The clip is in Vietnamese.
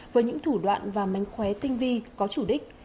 với những thủ đoạn và mánh khóe tinh vi có chủ đích